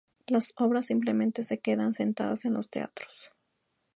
Las obras simplemente se quedan sentadas en los teatros.